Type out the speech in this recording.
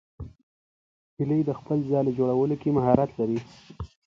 هیلۍ د خپل ځاله جوړولو کې مهارت لري